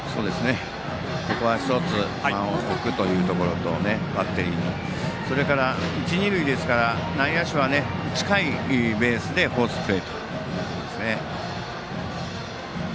ここは１つ、バッテリーに間を置くというところとそれから一塁二塁ですから内野手は近いベースでフォースプレーというところです。